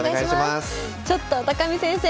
ちょっと見先生